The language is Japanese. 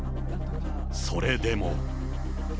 それでも。